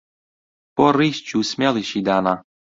بۆ ڕیش چوو سمێڵیشی دانا